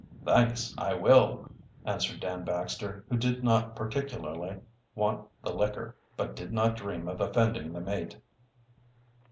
"Thanks, I will," answered Dan Baxter, who did not particularly want the liquor, but did not dream of offending the mate.